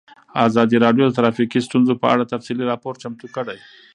ازادي راډیو د ټرافیکي ستونزې په اړه تفصیلي راپور چمتو کړی.